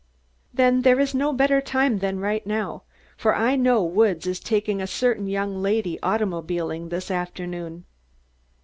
"Then there is no better time than right now, for I know Woods is taking a certain young lady automobiling this afternoon."